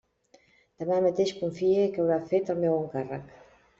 Demà mateix confie que haurà fet el meu encàrrec.